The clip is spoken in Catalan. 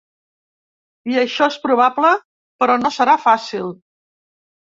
I això és probable però no serà fàcil.